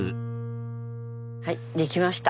はい出来ました。